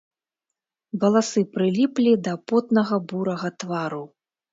Валасы прыліплі да потнага бурага твару.